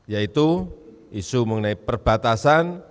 yaitu isu mengenai perbatasan